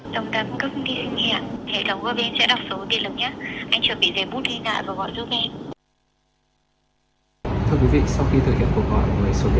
tổng đài cung cấp điện thiện hệ thống góp điện sẽ đọc số điện lần nhất anh chuẩn bị giấy bút điện nạ và gọi giúp em